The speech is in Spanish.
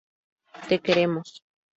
Te queremos.